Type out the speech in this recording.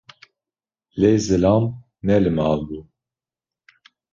Lê zilam ne li mal bû